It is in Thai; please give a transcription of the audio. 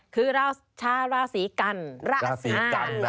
คือราศีกัณฑ์